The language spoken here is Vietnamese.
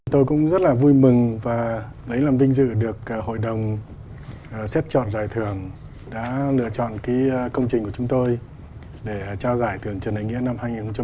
tôi cũng rất là vui mừng và lấy làm vinh dự được hội đồng xếp chọn giải thưởng đã lựa chọn công trình của chúng tôi để trao giải thưởng trần đại nghĩa năm hai nghìn một mươi chín